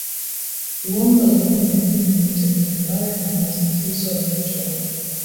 uongo lakini wengine wenye tabia mbaya hawana matatizo wakitoa